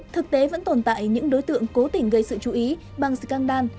thực tế vẫn tồn tại những đối tượng cố tình gây sự chú ý bằng scandan